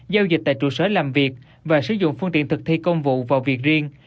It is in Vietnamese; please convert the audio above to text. giao dịch tại trụ sở làm việc và sử dụng phương tiện thực thi công vụ vào việc riêng